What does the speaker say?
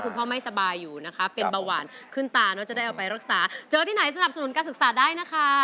น้องหยูไม่สบายอยู่นะคะเป็นบาววานขึ้นตาเจอที่ไหนสนับสนุนการศึกษาได้นะคะ